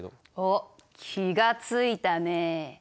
おっ気が付いたね。